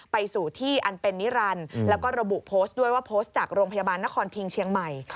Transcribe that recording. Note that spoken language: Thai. ไปสู่ที่อันเป็นนิรันดิ์แล้วก็ระบุโพสต์ด้วยว่าโพสต์จากโรงพยาบาลนครพิงเชียงใหม่